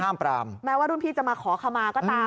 แม้ว่ารุ่นพี่จะขอคำมาก็ตาม